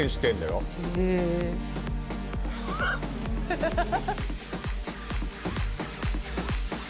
ハハハハ。